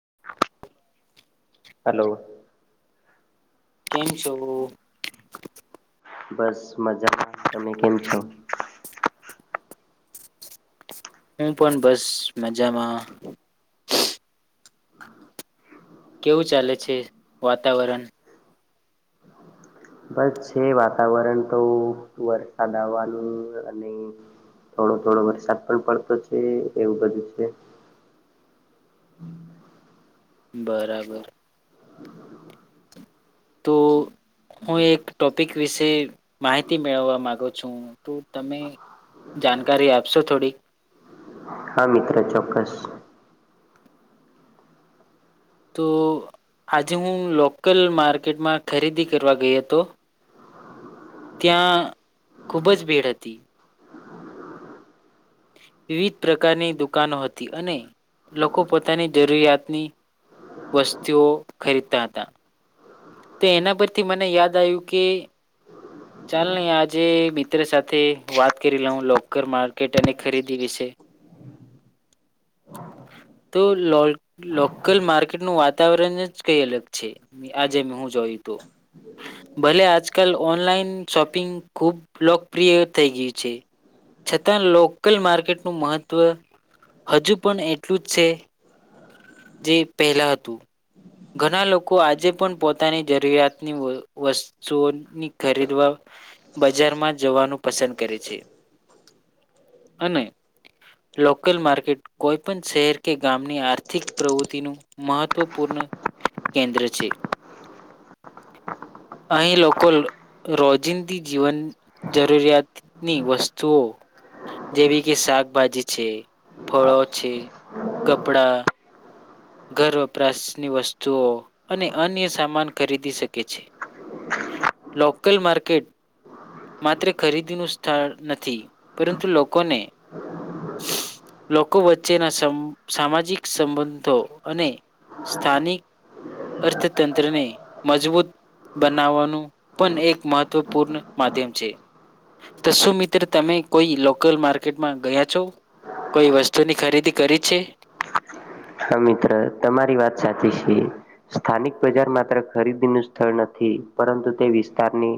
[unintelligible] Hello કેમ છો બસ મજામાં તમે કેમ છો હું પણ બસ મજામાં કેવું ચાલે છે વાતાવરણ બસ છે વાતાવરણ તો વરસાદ આવવાનું અને થોડો થોડો વરસાદ પણ પડતો છે એવું બધું છે બરાબર તો હું એક ટોપિક વિશે માહિતી મેળવવા માંગુ છું તો તમે જાણકારી આપશો થોડી હા મિત્ર ચોક્કસ તો આજે હું લોકલ માર્કેટમાં ખરીદી કરવા ગઈ હતો ત્યાં ખુબ જ ભીડ હતી વિવિધ પ્રકારની દુકાનો હતી અને લોકો પોતાની જરૂરિયાતની વસ્તુઓ ખરીદતા હતા ત એના પરથી મને યાદ આયુ કે ચાલને આજે મિત્ર સાથે વાત કરી લઉ લોકર માર્કેટ અને ખરીદી વિશે તો લોલ લોકલ માર્કેટનું વાતાવરન જ કંઈ અલગ છે આજે મે હું જોયું તો ભલે આજકાલ ઓનલાઈન શોપિંગ ખુબ લોકપ્રિય થઈ ગ્યું છે છતાં લોકલ માર્કેટનું મહત્વ હજુ પન એટલું જ છે જે પેહલા હતું ઘના લોકો આજે પન પોતાની જરૂરિયાતની વ વસ્તુઓની ખરીદવા બજારમાં જવાનું પસંદ કરે છે અને લોકલ માર્કેટ કોઈ પન શહેર કે ગામની આર્થિક પ્રવુત્તિનું મહત્વપૂર્ન કેન્દ્ર છે. અહીં લોકો લો રોજિંદી જીવન જરૂરિયાતની વસ્તુઓ જેવી કે શાકભાજી છે, ફળો છે, કપડા ઘર વપરાશની વસ્તુઓ અને અન્ય સામાન ખરીદી શકે છે, લોકલ માર્કેટ માત્ર ખરીદીનું સ્થળ નથી, પરંતુ લોકોને લોકો વચ્ચેના સમ્ સામાજિક સંબંધો અને સ્થાનિક અર્થતંત્રને મજબૂત બનાવવાનું પન એક મહત્વપૂર્ન માધ્યમ છે, તો સુું મિત્ર તમે કોઈ લોકલ માર્કેટમાં ગયા છો? કોઈ વસ્તુની ખરીદી કરી છે? હા, મિત્ર તમારી વાત સાચી છે, સ્થાનિક બજાર માત્ર ખરીદીનું સ્થળ નથી પરંતુ તે વિસ્તારની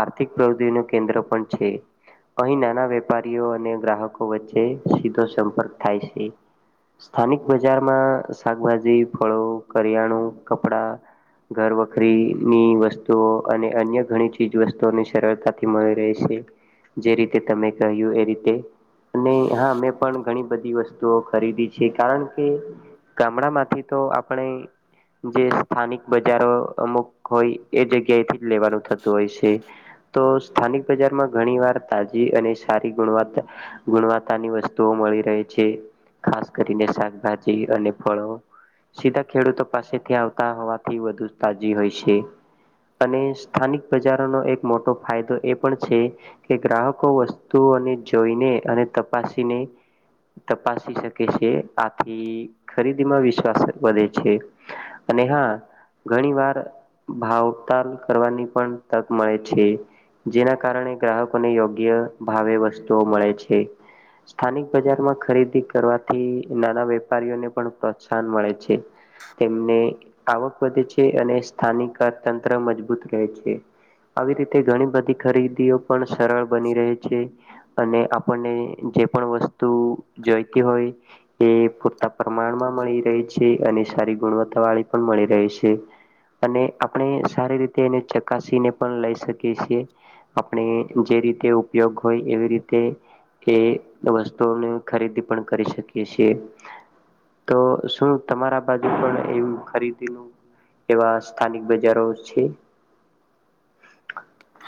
આર્થિક પ્રવુતિનુ કેન્દ્ર પણ છે, અહી નાના વેપારીઓ અને ગ્રાહકો વચ્ચે સીધો સંપર્ક થાય છે, સ્થાનિક બજારમાં શાકભાજી, ફળો, કરિયાણું, કપડા, ઘર વકરીની વસ્તુઓ અને અન્ય ઘણી ચીજ વસ્તુઓની સરળતાથી મળી રહે છે જે રીતે તમે કહ્યું એ રીતે અને હા અમે પણ ઘણી બધી વસ્તુઓ ખરીદી છે કારણ કે ગામડામાંથી તો આપણે જે સ્થાનિક બજારો અમુક હોય એ જગ્યાએથી જ લેવાનું થતું હોય છે, તો સ્થાનિક બજારમાં ઘણી વાર તાજી અને સારી ગુણવતા ગુણવત્તાની વસ્તુઓ મળી રહે છે ખાસ કરીને શાક ભાજી અને ફળો સીધા ખેડૂતો પાસેથી આવતા હોવાથી વધુ તાજી હોય છે અને સ્થાનિક બજારોનો એક મોટો ફાયદો એ પણ છે કે ગ્રાહકો વસ્તુઓને જોઈને અને તપાસીને તપાસી શકે છે, આ થી ખરીદીમાં વિશ્વાસ વધે છે અને હા ઘણી વાર ભાવતાલ કરવાની પણ તક મળે છે, જેના કારણે ગ્રાહકોને યોગ્ય ભાવે વસ્તુઓ મળે છે, સ્થાનિક બજારમાં ખરીદી કરવાથી એ ના વેપારીઓને પ્રોત્સાહન મળે છે, તેમને આવક વધે છે અને સ્થાનિક અર્થતંત્ર મજબૂત કહે છે આવી રીતે ઘણી બધી ખરીદીઓ પણ સ્થા સરળ બની રહે છે. અને આપણને જે પણ વસ્તુ જોઈતી હોય એ પૂરતા પ્રમાણમાં મળી રહે છે અને સારી ગુણવત્તા વાળી પણ મળી રહે છે અને આપણે સારી રીતે એને ચકાસીને પણ લઈ શકીએ છીએ, આપણે જે રીતે ઉપયોગ હોય એવી રીતે એ વસ્તુઓની ખરીદી પણ કરી શકી એ છે, તો શું તમારા બાજુ પણ એવું ખરીદીનું એવા સ્થાનિક બજારો છે?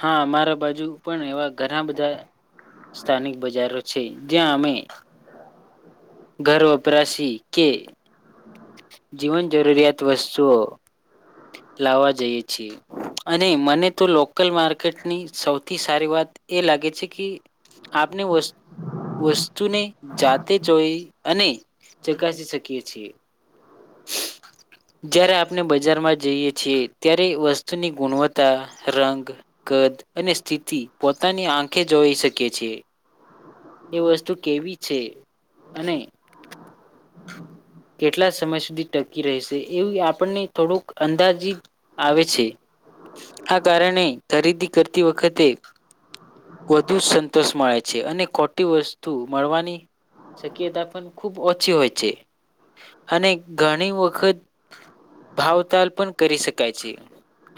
હાં અમારા બાજુ પણ એવા ઘના બધા સ્થાનિક બજારો છે, જ્યાં અમે ઘર વપરાશી કે જીવન જરૂરિયાત વસ્તુઓ લાવવા જઈએ છી અને મને તો લોકલ માર્કેટની સૌથી સારી વાત એ લાગે છે કિ આપને વસ્ વસ્તુને જાતે જોઈ અને ચકાસી શકીએ છીએ. જ્યારે આપને બજારમાં જઈએ છીએ, ત્યારે વસ્તુની ગુણવત્તા, રંગ, કદ અને સ્થિતિ પોતાની આંખે જોઈ શકીએ છીએ. એ વસ્તુ કેવી છે અને કેટલા સમય સુધી ટકી રહેશે એવુઈ આપણને થોડુંક અંદાજીત આવે છે આ કારણે ખરીદી કરતી વખતે વધુ સંતોષ મળે છે અને ખો ટી વસ્તુ મળવાની શક્યતા પન ખૂબ ઓછી હોય છે અને ઘણી વખત ભાવતાલ પન કરી શકાય છે,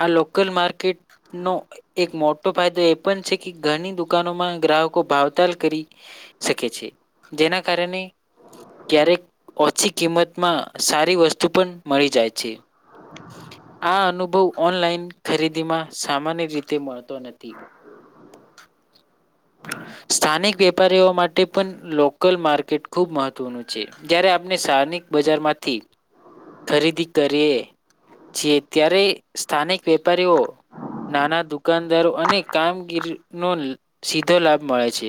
આ લોકલ માર્કેટનો એક મોટો ફાયદો એ પન છે કે ઘણી દુકાનોમાં ગ્રાહકો ભાવતાલ કરી શકે છે, જેના કારને ક્યારેક ઓછી કિંમતમાં સારી વસ્તુ પન મળી જાય છે, આ અનુભવ ઓનલાઈન ખરીદીમાં સામાન્ય રીતે મળતો નથી, સ્થાનિક વે પારીઓ માટે પન લોકલ માર્કેટ ખુબ મહત્વનું છે, જયારે આપને શાનિક બજારમાંથી ખરીદી કરીએ છીએ ત્યારે સ્થાનિક વેપારીઓ નાના દુકાનદારો અને કામગીરીનો સીધો લાભ મળે છે,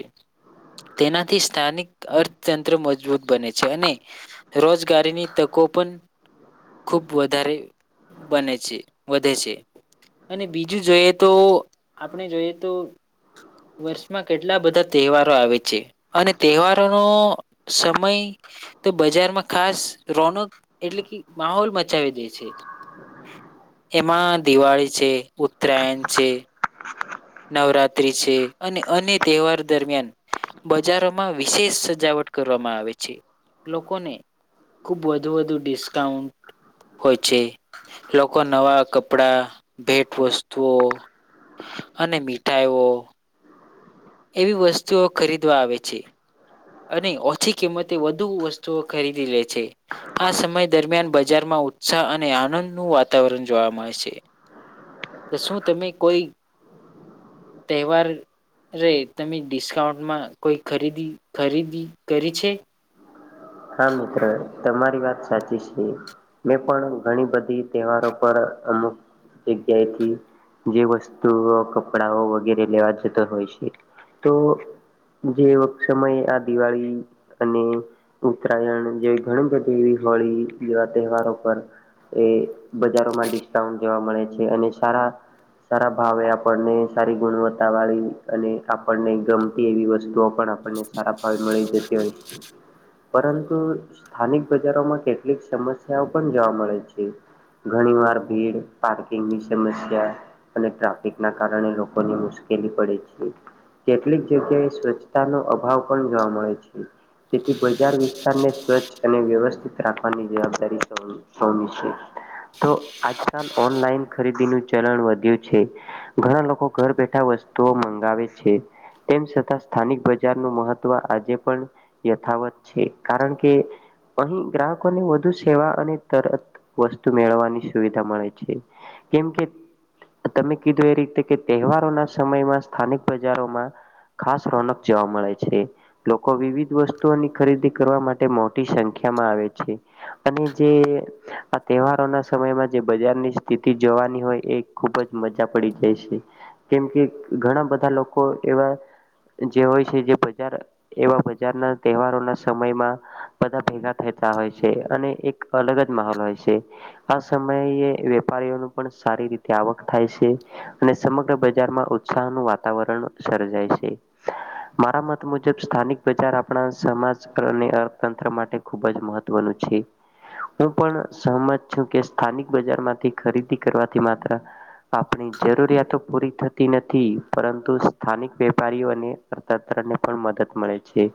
તેનાથી સ્થાનિક અર્થતંત્ર મજબૂત બને છે અને રોજગારીની તકો પન ખુબ વધારે બને છે વધે છે અને બીજું જોઈએ તો આપણે જોઈએ તો વર્ષમાં કેટલા બધા તહેવારો આવે છે અને તહેવારોનો સમય તો બજારમાં ખાસ રોનક એટલે કિ માહોલ મચાવી દે છે, એમાં દિવાળી છે, ઉત્તરાયન છે, નવરાત્રી છે અને અન્ય તહેવારો દરમિયાન બજારોમાં વિશેષ સજાવટ કરવામાં આવે છે, લોકોને ખુબ વધુ વધુ ડિસ્કાઉન્ટ હોય છે, લોકો નવા કપડા, ભેટ વસ્તુઓ અને મીઠાઈઓ એવી વસ્તુઓ ખરીદવા આવે છે. અને ઓછી કિંમતે વધુ વસ્તુઓ ખરીદી લે છે, આ સમય દરમિયાન બજારમાં ઉત્સાહ અને આનંદ ન વાતાવરણ જોવા મળે છે, તો શું તમે કોઈ તહેવાર [unintelligible] તમે ડિસ્કાઉન્ટમાં કોઈ ખરીદી. ખરીદી કરી છે. હા મિત્ર તમારી વાત સાચી છે, મેં પણ ઘણી બધી તહેવારો પર અમુક જગ્યાએથી જે વસ્તુઓ કપડાઓ વગેરે લેવા જતા હોય છે, તો જે સમયે આ દિવાળી અને ઉત્તરાયણ જેવી ઘણી બધી એવી હોળી જેવા તહેવારો પર એ બજારોમાં ડિસ્કાઉન્ટ જેવા મળે છે, અને સારા સારા ભાવે આપણને સારી ગુણવત્તા વાળી અને આપણને ગમતી એવી વસ્તુઓ. પણ આપણને સારા [unintelligible] [inaudible] પરંતુ સ્થાનિક બજારોમાં કેટલીક સમસ્યાઓ પણ જોવા મળે છે, ઘણી વાર ભીડ પાર્કિંગની સમસ્યા અને ટ્રાફિક ના કારણે લોકોની મુશ્કેલી પડે છે, કેટલીક જગ્યાએ સ્વચ્છતાનો અભાવ પણ જોવા મળે છે, તેથી સ્ચછ અને વ્યવસ્થિત રાખવાની જવાબદારીમી છે, તો આજકાલ ઓનલાઈન ખરીદી [unintelligible] ચલણ વધ્યું છે, ઘણા લોકો ઘર બેઠા વસ્તુઓ મંગાવે છે, તેમ છતાં સ્થાનિક બજારનું મહત્વ આજે પણ [unintelligible] કારણ કે અહી ગ્રાહકોને વધુ સેવા અને તરત વસ્તુ મેળવવાની સુવિધા મળે છે, કેમ કે તમે કીધું એ રીતે કે તહેવારોના સમયમાં સ્થાનિક બજારોમાં ખાસ [unintelligible] જોવા મળે છે, લોકો વિવિધ વસ્તુઓની ખરીદી કરવા માટે મોટી સંખ્યામાં આવે છે, અને જે આ તહેવારોના સમયમાં જે બજારની સ્થિતિ જોવાની હોય એ ખુબ જ મજા પડી જાય છે, કેમ કે ઘણા બધા લોકો એવા જે હોય છે, જે બજાર એવા બજારના તહેવાર. બધા ભેગા થતા હોય છે, અને એક અલગ જ માહોલ હોય છે, આ સમયે વેપારીઓનું પણ સારી રીતે આવક થાય છે, અને સમગ્ર બજારમાં ઉત્સાહ ન વાતાવરણ સર્જાય છે, મારા મત મુજબ સ્થાનિક બજાર આપણા સમાજ અને અર્થતંત્ર માટે ખૂબ જ મહત્વનું છે, હું પણ સહમત છું, કે સ્થાનિક બજારમાંથી ખરીદી કરવાથી માત્ર આપણી જરૂરિયાતો પૂરી થતી નથી પરંતુ સ્થાનિક વેપારીઓ અને અર્થતંત્રને પણ મદદ મળે છે.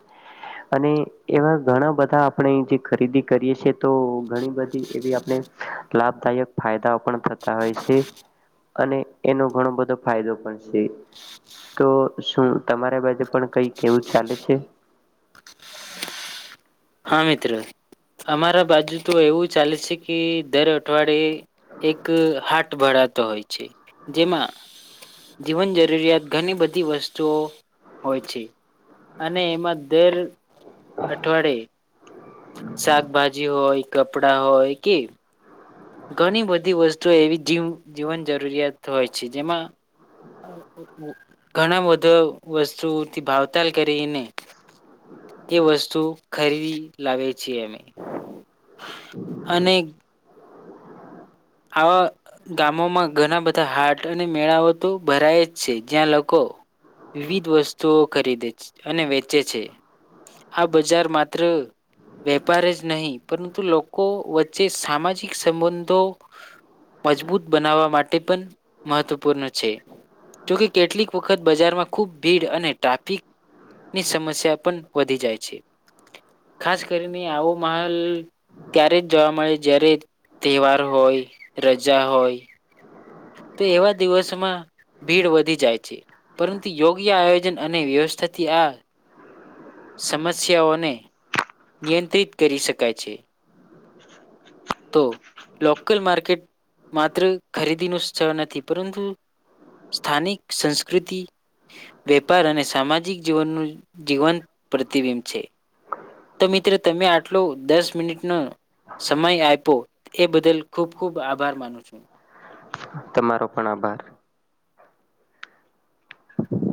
અને એવા ઘણા બધા આપણે જે ખરીદી કરીએ છે, તો ઘણી બધી એવી આપણે લાભદાયક ફાયદાઓ પણ થતા હોય છે, અને એનો ઘણો બધો ફાયદો પણ છે, તો શું તમારા બાજે પણ કઈક એવું ચાલે છે. હા મિત્ર અમારા બાજુ તો એવું ચાલે છે, કે દર અઠવાડિયે એક હાટ ભરાતો હોય છે, જેમાં જીવન જરૂરિયાત ઘણી બધી વસ્તુઓ હોય છે, અને એમાં દર. અઠવાડે. શાકભાજી હોય કપડા હોય કે. ઘણી બધી વસ્તુઓ એવી [unintelligible] જીવન જરૂરિયાત હોય છે, જેમાં ઘણા [unintelligible] વસ્તુથી ભાવતાલ કરીને એ વસ્તુ ખરીદી લાવે [unintelligible] અમે અને. આવા ગામોમાં ઘણા બધા હાટ અને મેળઓ તો ભરાય જ છે, જ્યાં લોકો વિવિધ વસ્તુઓ ખરીદે અને વેચે છે, આ બજાર માત્ર વેપાર જ નહીં પરંતુ લોકો વચ્ચે સામાજિક સંબંધો. મજબૂત બનાવવા માટે પણ મહત્વપૂર્ણ છે, જોકે કેટલીક વખત બજારમાં ખુબ ભીડ અને ટ્રાફિકની સમસ્યા પણ વધી જાય છે, ખાસ કરીને આવો માહોલ ત્યારે જ જોવા મળે જ્યારે તહેવાર. હોય [unintelligible] હોય તો એવા દિવસોમાં ભીડ વધી જાય છે, પરંતુ યોગ્ય આયોજન અને વ્યવસ્થાથી આ સમસ્યાઓને નિયંત્રિત કરી શકાય છે, તો લોકલ માર્કેટ માત્ર ખરીદી ન સ્થળ નથી પરંતુ સ્થાનિક સંસ્કૃતિ વેપાર અને સામાજિક જીવનનું જીવંત. પ્રતિબિંબ છે, તો મિત્ર તમે આટલો દસ મિનિટ [unintelligible] સમય [unintelligible] એ બદલ ખૂબ ખૂબ આભાર માનું છું. તમારો પણ આભાર.